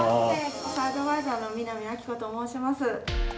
防災アドバイザーの南あきこと申します。